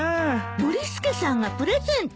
ノリスケさんがプレゼント？